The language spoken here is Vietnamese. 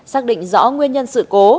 xác định rõ nguyên nhân sự cố